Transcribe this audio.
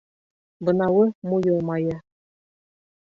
Бынауы муйыл майы.